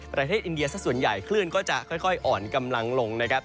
ประเทศอินเดียสักส่วนใหญ่คลื่นก็จะค่อยอ่อนกำลังลงนะครับ